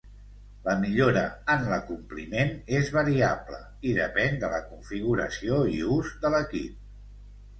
La millora en l'acompliment és variable i depèn de la configuració i ús de l'equip.